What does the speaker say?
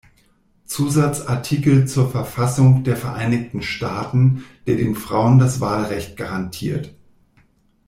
Zusatzartikel zur Verfassung der Vereinigten Staaten, der den Frauen das Wahlrecht garantiert.